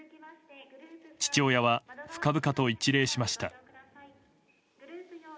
父親は、深々と一礼しました。